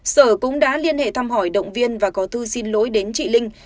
sở cũng đã liên hệ thăm hỏi động viên và có thư xin lỗi đến chị linh